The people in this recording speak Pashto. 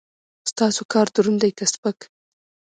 ستاسو کار دروند دی که سپک؟